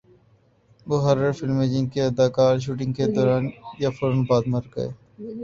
وہ ہارر فلمیں جن کے اداکار شوٹنگ کے دوران یا فورا بعد مر گئے